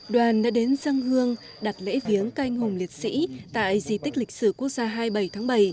đoàn đã đến dân hương đặt lễ viếng canh hùng liệt sĩ tại di tích lịch sử quốc gia hai mươi bảy tháng bảy